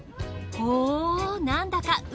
ほなんだか